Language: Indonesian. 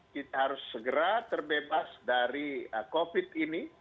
kita harus segera terbebas dari covid ini